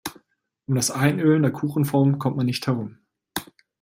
Um das Einölen der Kuchenform kommt man nicht herum.